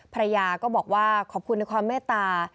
ภรรยาก็บอกว่าขอบคุณในความเมตตา